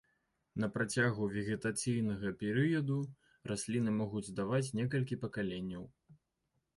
На працягу вегетацыйнага перыяду расліны могуць даваць некалькі пакаленняў.